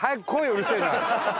うるせえな。